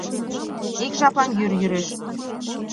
Ик жаплан йӱр йӱреш.